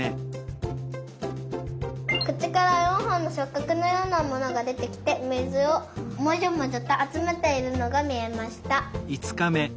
くちから４ほんのしょっかくのようなものがでてきてみずをもじょもじょとあつめているのがみえました。